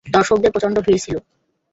দর্শকদের প্রচণ্ড ভীর ছিল।